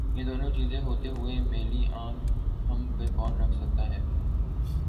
یہ دونوں چیزیں ہوتے ہوئے میلی آنکھ ہم پہ کون رکھ سکتاہے؟